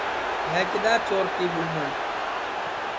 ہے کِدؔا چورٹی ٻُومنیں